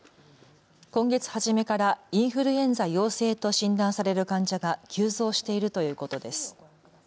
今月初めからインフルエンザ陽性と診断される患者が急増しているということです。